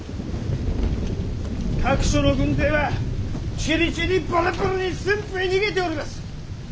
各所の軍勢はちりぢりバラバラに駿府へ逃げております。